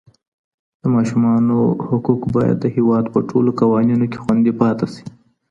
د ماشومانو حقوق باید د هېواد په ټولو قوانینو کي خوندي پاته سي.